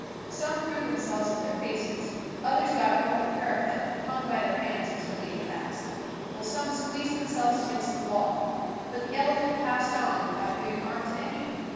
Some threw themselves on their faces, others got over the parapet and hung by their hands until he had passed, while some squeezed themselves against the wall; but the elephant passed on without doing harm to any.